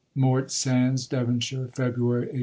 Morte Sands, Devonshire, February 1849.